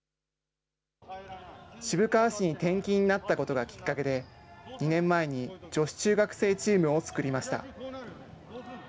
渋川市に転勤になったことがきっかけで、２年前に女子中学生チームを作りました。